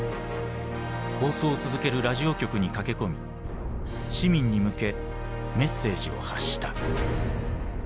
放送を続けるラジオ局に駆け込み市民に向けメッセージを発した。